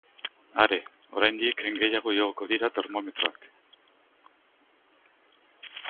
Are, oraindik gehiago igoko dira termometroak.